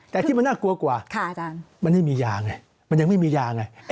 แต่ที่มันน่ากลัวกว่ามันไม่มียาไงมันยังไม่มียาไง